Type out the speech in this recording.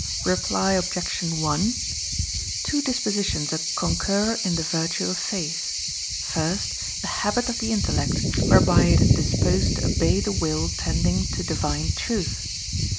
Reply Obj. 1: Two dispositions concur in the virtue of faith; first, the habit of the intellect whereby it is disposed to obey the will tending to Divine truth.